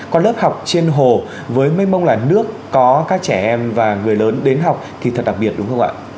có lớp học trên hồ với mê mông là nước có các trẻ em và người lớn đến học thì thật đặc biệt đúng không ạ